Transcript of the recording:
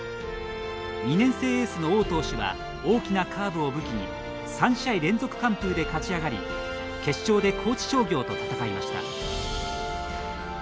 ２年生エースの王投手は大きなカーブを武器に３試合連続完封で勝ち上がり決勝で高知商業と戦いました。